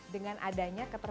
dengan adanya tes molekuler